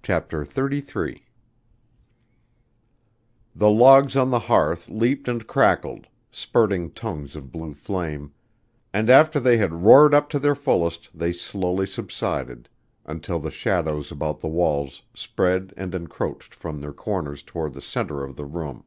CHAPTER XXXIII The logs on the hearth leaped and crackled, spurting tongues of blue flame, and after they had roared up to their fullest they slowly subsided, until the shadows about the walls spread and encroached from their corners toward the center of the room.